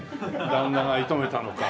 旦那が射止めたのか。